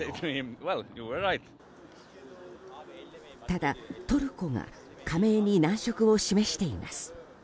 ただ、トルコが加盟に難色を示しています。